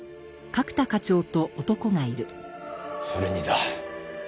それにだ